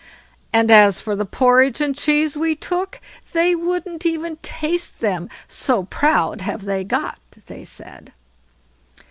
"And as for the porridge and cheese we took, they wouldn't even taste them, so proud have they got", they said.